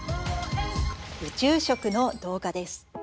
宇宙食の動画です。